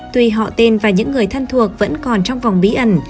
tuy họ tên và những người thân thuộc vẫn còn trong vòng bí ẩn